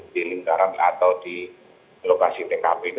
di lingkaran atau di lokasi tkp itu